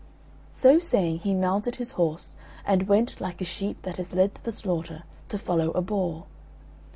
So saying he mounted his horse, and went, like a sheep that is led to the slaughter, to follow a boar.